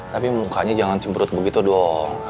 tapi mukanya jangan cembrut begitu dong